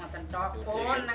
kalau mau cuci kalau mau mandi